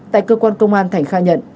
tại cơ quan công an thành khai nhận